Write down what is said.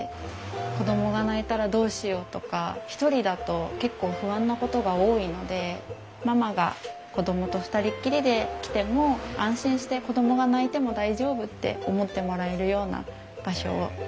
子供が泣いたらどうしようとか一人だと結構不安なことが多いのでママが子供と二人っきりで来ても安心して子供が泣いても大丈夫って思ってもらえるような場所をイメージして作りました。